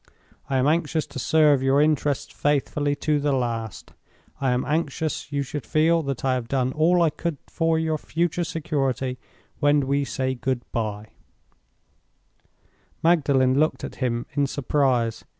I am anxious to serve your interests faithfully to the last; I am anxious you should feel that I have done all I could for your future security when we say good by." Magdalen looked at him in surprise.